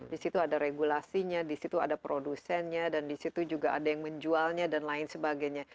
disitu ada regulasinya disitu ada produsennya dan disitu juga ada yang menjualnya dan lain sebagainya